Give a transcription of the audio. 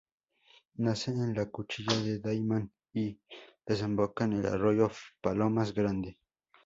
Nace en la Cuchilla del Daymán y desemboca en el arroyo Palomas Grande.